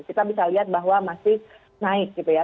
kita bisa lihat bahwa masih naik gitu ya